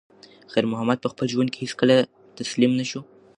خیر محمد په خپل ژوند کې هیڅکله تسلیم نه شو.